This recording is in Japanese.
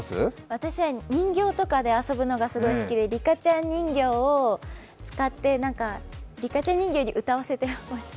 私は人形とかで遊ぶのがすごい好きでリカちゃん人形を使ってリカちゃん人形に歌わせたりしてました。